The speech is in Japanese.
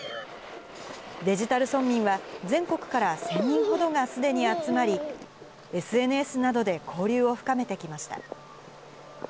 デジタル村民は、全国から１０００人ほどがすでに集まり、ＳＮＳなどで交流を深めてきました。